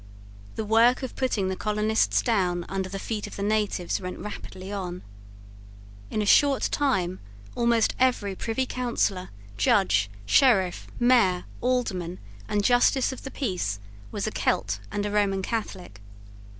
The work of putting the colonists down under the feet of the natives went rapidly on. In a short time almost every Privy Councillor, Judge, Sheriff, Mayor, Alderman, and Justice of the Peace was a Celt and a Roman Catholic.